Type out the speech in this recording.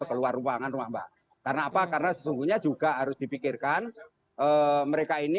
keluar ruangan rumah mbak karena apa karena sesungguhnya juga harus dipikirkan mereka ini